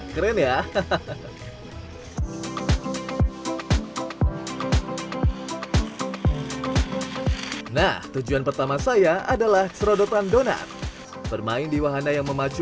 keren ya hahaha nah tujuan pertama saya adalah serodotan donat bermain di wahana yang memacu